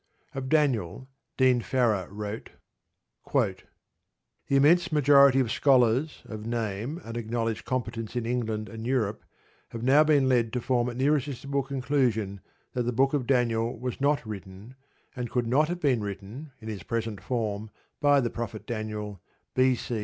Of Daniel, Dean Farrar wrote: The immense majority of scholars of name and acknowledged competence in England and Europe have now been led to form an irresistible conclusion that the Book of Daniel was not written, and could not have been written, in its present form, by the prophet Daniel, B.C.